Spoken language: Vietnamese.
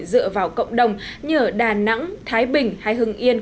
dựa vào cộng đồng như ở đà nẵng thái bình hay hưng yên